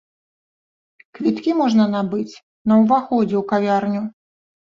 Квіткі можна набыць на ўваходзе ў кавярню.